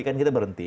kan kita berhenti